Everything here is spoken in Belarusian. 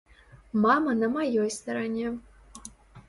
Мама на маёй старане.